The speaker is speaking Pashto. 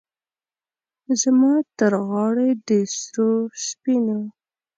زما ترغاړې د سرو، سپینو،